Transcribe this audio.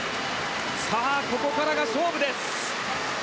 ここからが勝負です。